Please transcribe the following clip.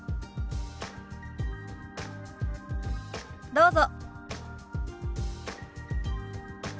どうぞ。